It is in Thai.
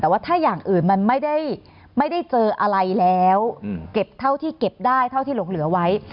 แต่ว่าถ้าอย่างอื่นมันไม่ได้เจออะไรแล้วเก็บเท่าที่เก็บได้เท่าที่หลงเหลือไว้